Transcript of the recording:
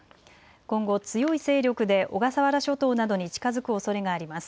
今後、強い勢力で小笠原諸島などに近づくおそれがあります。